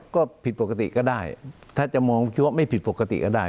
ก็ผิดปกติก็ได้ถ้าจะมองคิดว่าไม่ผิดปกติก็ได้